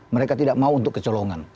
mereka tidak mau untuk kecolongan